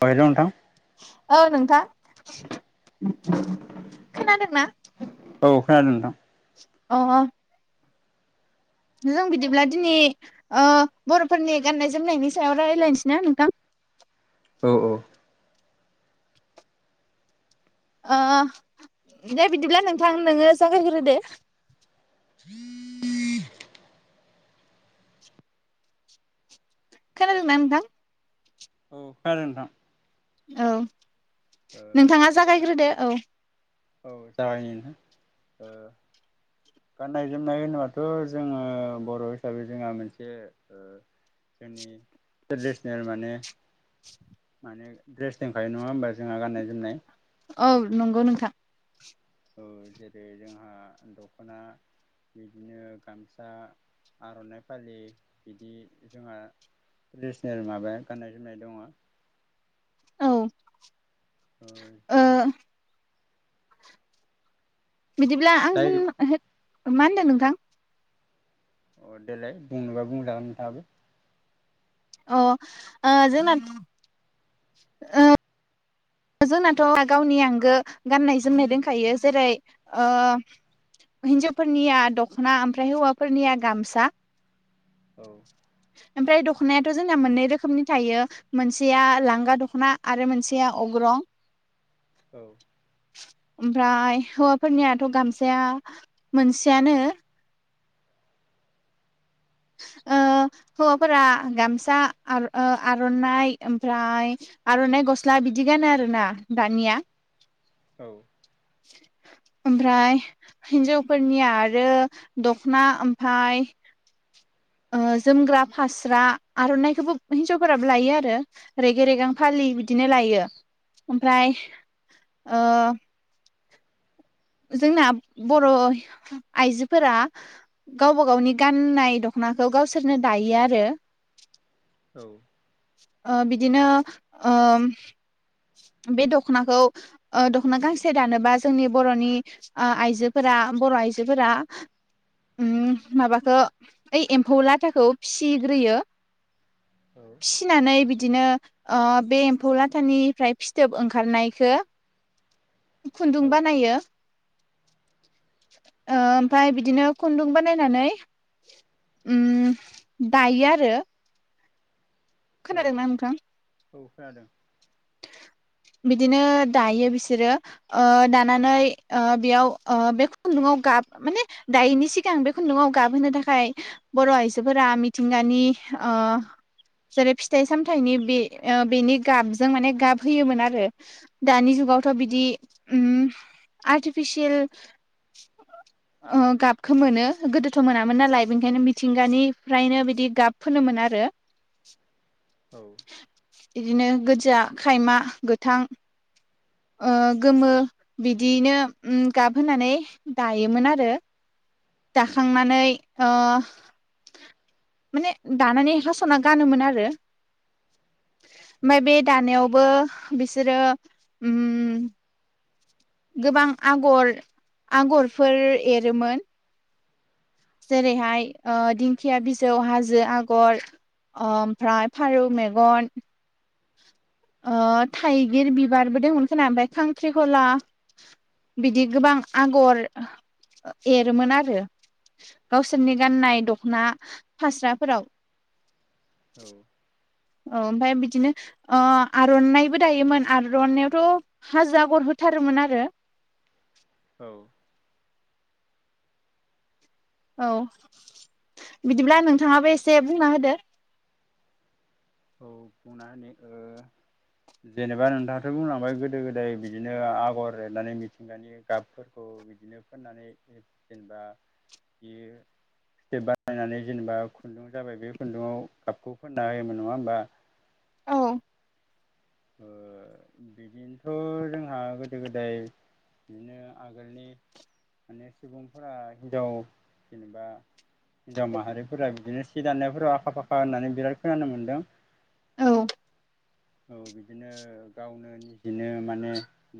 अ hello नोंथां। औ नोंथां खोनादोंना। औ खोनादों नोंथां। अ अ जों बिदिब्ला दिनै ओ बर'फोरनि गाननाय जोमनायनि सायाव रायज्लायनोसै ना नोंथां। [inaudible] औ औ। ओ दे बिदिब्ला नोंथां नोङो जागायग्रो दो। खोनादों ना नोंथां। औ खोनादों नोंथां। औ ओ नोंथाङा जागायग्रोदो गाननाय औ। औ जागायनि नोंथां। ओ गाननाय जोमनाय होनोबाथ' जोङो बर' हिसाबै जोंहा मोनसे ओ जोंनि ट्रेडिसनेल माने माने दड्रेस दंखायो नङा होमबा जोंहा गाननाय जोमनाय औ नंगौ नोंथां औ जेरै जोंहा दख'ना बिदिनो गामसा आर'नाइ फालि बिदि जोंहा ट्रेदिसनेल माबाया गाननाय जोमनाय दङ। औ ओ बिदिब्ला [unintelligible] जाय मा होनदों नोंथां अ देलाय बुंनोबा बुंजागोन थाङाबो अ ओ जोंना ओ जोंनाथ' गावनि आंगो गाननाय जोमनाय दोनखायो जेरै ओ हिनजावफोरनिया दख'ना ओमफ्राय हौवाफोरनिया गामसा औ ओमफ्राय दख'नायाथ' जोंना मोननै रोखोमनि थायो मोनसेया लांगा दख'ना आरो मोनसेया अग्रं औ ओमफ्राय हौवाफोरनियाथ' गामसाया मोनसेयानो ओ ओ हौवाफोरा गमसा आं ओ आरनाय ओफ्राय गस स्ला बिदि गानो आरो ना दानिया औ [inaudible] ओमफ्राय हिन्जावफोरनिया आरो दखना ओमफ्राय [inaudible] जोमग्रा फास्रा आर'नाइखौबो हिनजावफोराबो लायो आरो रेग रेगां फालि बिदिनो लायो ओमफ्राय ओ जोंना बर' आइजोफोरा गावबा गावनि गाननाय खौ गावसोरनो दायो आरो औ ओ बिदिनो ओम बे दख'नाखौ दख'ना गांसे दानोबा जोंनि बर'नि आइजोफोरा बर' आइजोफोरा माबाखौ ओइ एम्फौ लाथाखौ फिग्रोयो औ फिसिनानै बिदिनो बे एम्फौ लाथानिफ्राय फिथोब ओंखारनायखौ खुन्दुं औ बानायो ओमफ्राय बिदिनो खुन्दुं बानायनानै उम दायो आरो औ खोनादोंना नोंथां औ खोनादों बिदिनो दायो बिसोरो ओ दानानै बेयाव बे खुन्दुंङाव गाब माने दायनि सिगां बे खुन्दुङाव गाबहोनो थाखाय बर' आइजोफोरा मिथिंगानि ओ जेरै फिथाइ सामथाइनि बे बेनि गाबजों माने गाब होयोमोन आ रो दानि जुगावथ' बिदि आर्टिफिसियेल [inaudible] गाबखौ मोनो गोदोथ' मोनामोन नालाय बेनिखायनो मिथिंगानिफ्रायनो बिदि गाब फोनो मोन आरो औ बिदिनो गोजा, खायमा, गोथां ओ गोमो बिदियैनो गाबहोनानै दायोमोन आरो दाखांनानै ओ माने दानानै हास'ना गानोमोन आरो। ओमफ्राय बे औ दानायावबो बिसोरो उम गोबां आगर आगरफोर एरोमोन। जेरैहाय दिंखिया बिजौ हाजो आगर ओमफ्राय फारौ मेगन। ओ थाइगिर बिबारबो दंमोन खोना ओमफ्राय खांख्रिखला। बिदि गोबां आगर एरोमोन आरो। गावसोरनि गाननाय दख'ना फास्राफोराव औ। औ ओमफ्राय बिदिनो ओ आर'नाइबो दायोमोन आर'नायइावथ' हाजो आगर हो थारोमोन आरो औ। औ बिदिब्ला नोंथाङाबो एसे बुंना होदो। औ फना ने ओ जेनेबा नोंथाङाथ' बुंलांबाय गोदो गोदाय बिदिनो आगर एरनानै मिथिंगानि गाबफोरखौ बिदिनो फोननानै जेनेबा बियो फिथोब बानायनानै जेनेबा खुन्दुं जाबाय बे खुन्दुंयाव गाबखौ फोनना होयोमोन नङा होमबा। औ। ओ बिदिनोथ' जोंहा गोदो गोदाय बिदिनो आगोलनि माने सुबुंफोरा हिनजाव जेनेबा हिनजाव माहारिफोरा बिदिनो सि दाननायफोराव आखा फाखा होननानै बिराद खोनानो मोन्दों। औ। औ बिदिनो गावनो निजिनो माने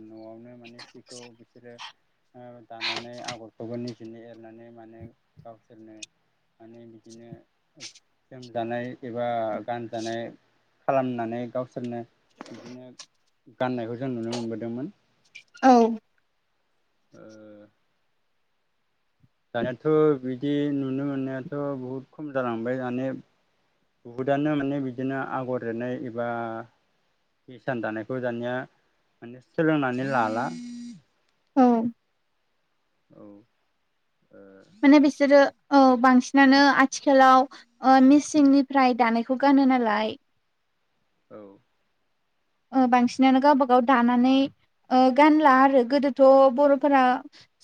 न'आवनो माने सिखौ बिसोरो औ दानानै आगरखौबो निजेनि एरनानै माने गावसोरनो माने बिदिनो जोमजानाय एबा गानजानाय खालामनानै गावसोरनो बिदिनो गाननायखौ जों नुनो मोनबोदोंमोन। औ। ओ दानियाथ' बिदि नुनो मोननायाथ' बहुद खम जालांबाय दानिया। बुहुदआनो माने बिदिनो आगर एरनाय एबा हिसान दानायखौ दानिया माने सोलोंनानै लाला। औ। औ। ओ माने बिसोरो औ बांसिनानो आथिखालाव ओ मेचिंनिफ्राय दानायखौ गानो नालाय। औ। ओ बांसिनानो गावबा गाव दानानै ओ गानला आरो गोदोथ' बर'फोरा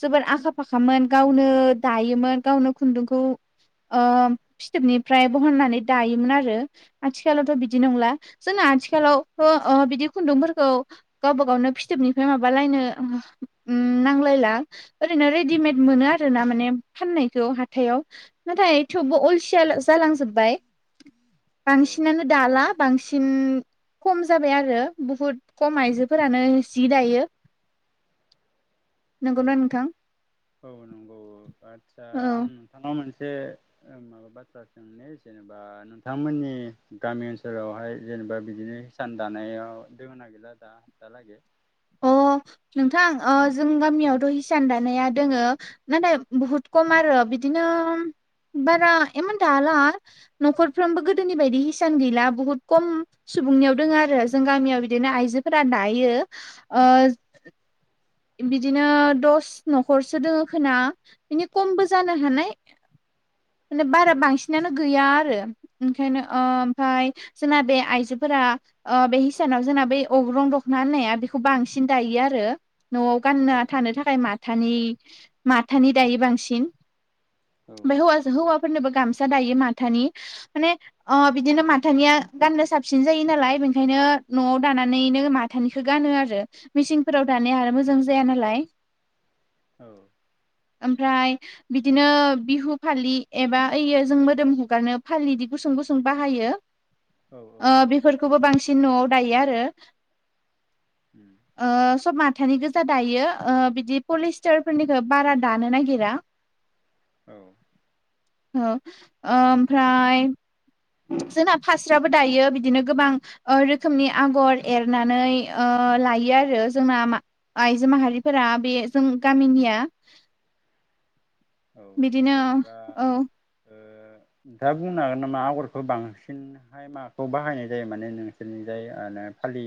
जोबोर आखा फाखामोन गावनो दायो मोन गावनो खुन्दुंखौ ओ फिथोबनिफ्राय बहननानै दायोमोन आरो आथिखालावथ' बिदि नंला जोंना आथिखालावथ' अ' बिदि खुन्दुंफोरखौ गावबा गावनो फिथोबनिफ्राय माबालायनो ओ उम नांलायला ओरैनो रेडिमेद मोनो आरो ना माने फाननायखौ हाथायाव। नाथाय थेवबो अलसिया जालांजोबबाय। औ बांसिनानो दाला बांसिन खम जाबाय आरो बुहुद खम आइजोफोरानो जि दायो। औ नंगौना नोंथां औ नंगौ आदसा औ आं नोंथां मोनसे ओ माबा बाथ्रा सोंनि जेनेबा ओ नोंथांमोननि गामि ओनसोलावहाय जेनेबा बिदिनो हिसान दानायाव दोङो ना गैला दा दालागै? अ नोंथां ओ जोंनि गामियावथ' हिसान दानाया दङो नाथाय बुहुत खम आरो। बिदिनो बारा इमान दाला न'खरफ्रोमबो गोदोनि बायदि हिसान गैला बुहुत खम सुबुंनियाव दोङो आरो जों गामियाव बिदिनो आइजोफोरा दायो ओ बिदिनो दस न'खरसो दोङो खोना बिनि खमबो जानो हानाय। [inaudible] माने बारा औ बांसिनानो गैया - आरो ओंखायनो ओ ओमफाय जोंना बे आइजोफोरा ओ बे हिसानाव जोंना बे गरं दख'ना होननाया बेखौ बांसिन दायो आरो न'आव औ गानना थानो थाखाय माथानि माथानि दायो बांसिन, औ ओमफ्राय हौवा हौवाफोरनोबो गामसा दायो माथानि माने ओ बिदिनो माथानिया गाननो साबसिन जायो नाला लाय बेनिखायनो न'आव दानानैनो माथानिखौ गानो आरो मेचिफोराव दानाय आरो मोजां जाया नालाय, [inaudible] औ ओमफ्राय बिदिनो बिहु फालि एबा ओइयो जों मोदोम हगारनो फालि बिदि गुसुं गुसुं बाहायो। औ औ ओ बेफोरखौबो बांसिन न'आव दायो आरो उम ओ सब मा थानि गोजा दायो ओ बिदि पलिस्टार फोरनिखौ बारा दानो नागिरा, औ औ ओ ओमफ्राय, जोंना फास्राबो दायो बिदिनो गोबां ओ रोखोमनि आगर एरनानै ओ ओ लायो आरो जोंना मा आइजो माहारिफोरा बे जों गामिनिया औ बिदिनो जेनेबा औ ओ नोंथाङा बुंनो हागोन नामा आगरखौ बांसिनहाय माखौ बाहायनाय जायो माने नोंसोरनिजाय [unintelligible] खालि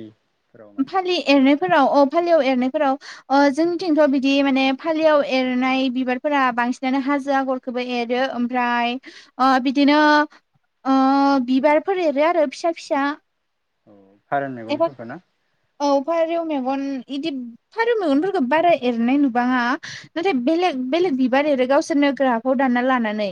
फालि एरनायफोराव औ फालियाव ओ एरनायफोराव ओ जोंथिंथ' बिदि माने फालियाव एरनाय बिबारफोरा बांसिनानो हा हाजो आगरखौबो एरो ओमफ्राय ओ बिदिनो ओ बिबारफोर एरो आरो फिसा फिसा, औ फारोन एबा मैगंफोरखौ ना? औ फारौव मेगन बिदि फारौ मेगनफोरखौ बारा एरनाय नुबाङा नाथाय बेलेग, बेलेग बिबार एरो गावसोरनो ग्राबाव दानना लानानै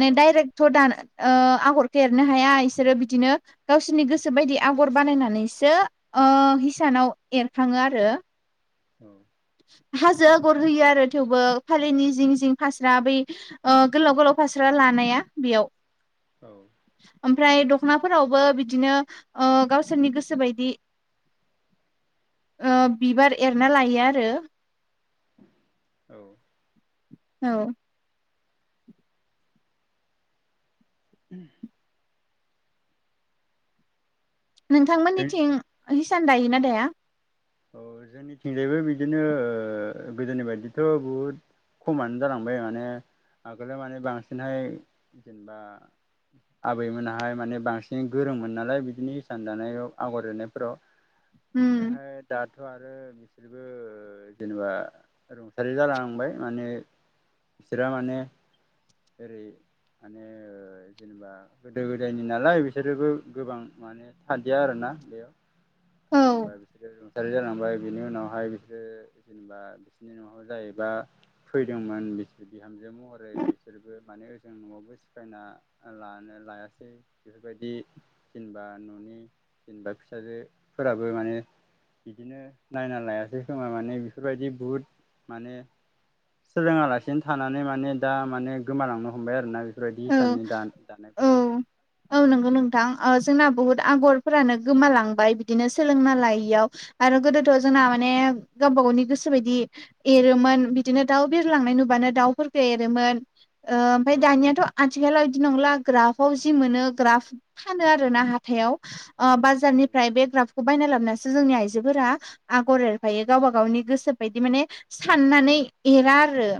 अ अ डाइरेक्ट थ' दान ओ आ आगरखेरनो हाया इसोरो बिदिनो गावसोरनि गोसो बायदि आगर बानायनानैसो, ओ हिसानाव एरखांङो आरो औ हाजो आगर होयो आरो थेवबो फालिनि जिं जिं फास्रा बै ओ गोलाव गोलाव फास्रा लानाया बेयाव औ ओमफ्राय दख'नाफोरावबो बिदिनो ओ गावसोरनि गोसो बायदि ओ बिबार एरना लायो आरो औ औ उम नोंथांमोननिथिं जोंनिथिं हिसान दायोना दाया? औ जोंनिथिंजायबो बिदिनो ओ गोदोनि बायदिथ' बुहुद, खमानो जालांबाय माने आगोलाव माने बांसिनहै जेनेबा, आबैमोनाहाय माने बांसिन गोरोंमोन नालाय बिदिनो इसान दानायाव आगर एनायफोराव, उम ओमफ्रायहाय, थ' आरो बिसोरबो जेनेबा रुंसारि जालांबाय माने, बिसोरहा माने ओरै, माने जेनेबा गोदो गोदायनि नालाय बिसोरोबो गोबां माने थादया आरो ना। ना बेयाव औ जेनेबा बिसोरो [unintelligible] जालांबाय बिनि उनावहाय बिसोरो जेनेबा बिसोरनि न'आव जाहैबा फैदोंमोन बिसोर बिहामजो महरै बिसोरबो माने ओजों न'आवबो सिखायना लानो लायासै बेफोरबायदि जेनेबा न'नि जेनेबा फिसाजोफोराबो माने बिदिनो नायना लायासै खोमा माने बेफोरबायदि बुहुद माने सोङालासिनो थानानै माने दा माने गोमालांनो हमबाय आरोना। बेफोरबायदि औ हसाननि दा दानायफोरा औ नंगौ नोंथां जोंना बुहुत आगरफोरानो गोमालांबाय बिदिनो सोलोंना लायैयाव आ आरो गोदोथ' जोंना माने गावबा गावनि गोसो बायदि एरोमोन बिदिनो दाउ बिरलांनाय नुबानो दाउफोरखौ एरोमोन ओमफ्राय औ दानियाथ' आथिखालाव बिदि नंला ग्राफाव जि मोनो ग्राफ फानो आर ना हाथायाव, ओ औ बाजारनिफ्राय बे ग्राफखौ बायना लाबोनसो जोंनि आइजोफोरा आगर एरफायो गावबा गावनि गोसो बायदि माने साननानै, एरा आरो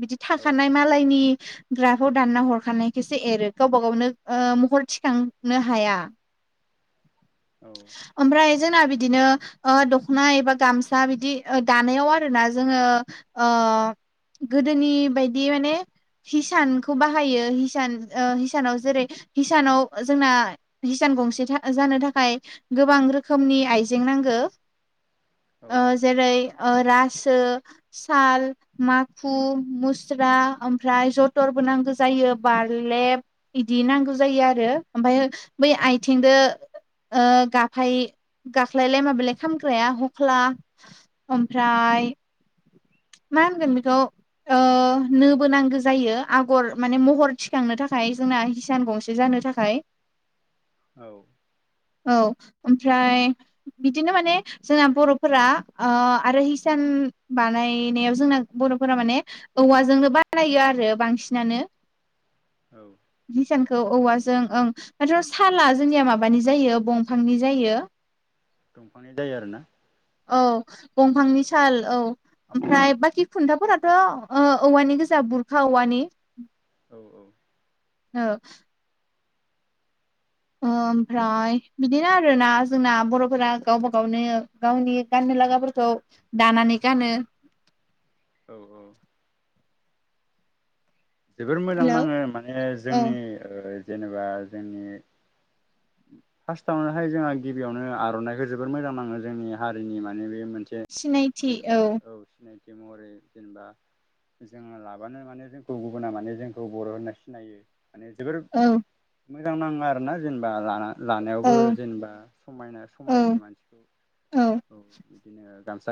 बिदि औ थाखानाय मालायनि ग्राफ, खौ दानना हरखानायखौसो एरो गावबा गावनो ओ महर थिखांनो हाया, [inaudible] ओमफ्राय जोंना बिदिनो ओ दख'नाबा गामसा बिदि दानायाव आरोना जोङो ओ, अ गोदोनि बायदि माने हिसान बाहायो हिसान ओ हिसानाव जेरै हानाव जोंना हिसान गंसे था जा नो थाखाय गोबां रोखोमनि आइजें नांगो औ ओ जेरै रासो साल माखु मुस्रा ओमफ्राय जथरबो नांगौ। जायो बारलेब इदि नांगौ जायो आरो ओमफाय बै आयथिंदो ओ गाफाय गाख्लायलाय माबालाय खामग्राया हख्ला ओमफ्राय मा होनगोन बेखौ ओ नोबो नांगौ जायो आग गर माने महर थिखांनो थाखाय जोंना हिसान गंसे जानो थाखाय औ। औ ओमफ्राय बिदिनो माने जोंना बर'फोरा ओ आरो हिसान बानायनायाव जोंना बर'फोरा माने औवाजोंनो बानायो आरो बांसिनानो औ। औ औवाजों ओं माथ' साला जोंनिया माबानि जायो बंफांनि जायो। जायो आरोना औ बंफांनि साल औ ओमफ्राय बाकि खुन्थाफोराथ' औवानि गोजा बुरखा उवनि औ औ। ओ। ओ। ओमफ्राय बिदिनो आरोना जोंना बर'फोरा गावबा गावनो गावनि गाननो लागाफोरखौ औ दानानै गानो। औ औ। जोबोर मोजां हेलौ नाङो माने औ जोंनि ओ जेनेबा जोंनि फास्टआवनोहाय जोंहा गिबियावनो आर'नाइखो जोबोर मोजां नाङो जोंनि हारिनि माने बे मोनसे जेनेबा औ सिनाय महरै जेनेबा जोङो लाबानो माने जों गुबु गुबुना माने जोंखौ बर' होनना सिनायो माने जोबोर औ मोजां नाङा आरोना जेनेबा लाना औ लानायावबो जेनेबा समायना औ समायो मानसिखौ औ बिदिनो गामसा